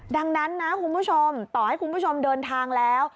ดังนั้นนะคุณผู้ชมต่อให้คุณผู้ชมเดินทางแล้ว